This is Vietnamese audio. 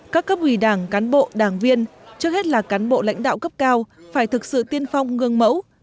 các cấp ủy đảng cán bộ đảng viên trước hết là cán bộ lãnh đạo cấp cao phải thực sự tiên phong gương mẫu